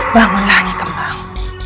bangunlah nyai kembang